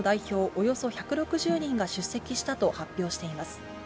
およそ１６０人が出席したと発表しています。